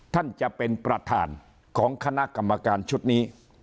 ท่านประธานจะเป็นประธานของคณะกรรมการชุดนี้